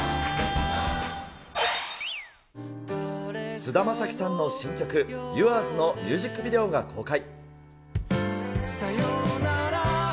菅田将暉さんの新曲、ユアーズのミュージックビデオが公開。